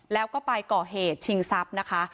แล้วก็ไปก่อเหตุชิงทรัพย์นะคะ